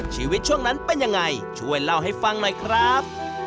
ช่วงนั้นเป็นยังไงช่วยเล่าให้ฟังหน่อยครับ